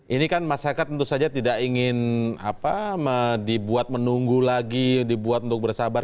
ini kan masyarakat tentu saja tidak ingin dibuat menunggu lagi dibuat untuk bersabar